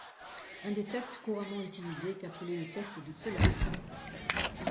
Un des tests couramment utilisés est appelé le test de pelage.